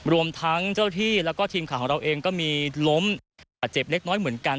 รวมทั้งเจ้าที่แล้วก็ทีมข่าวของเราเองก็มีล้มบาดเจ็บเล็กน้อยเหมือนกัน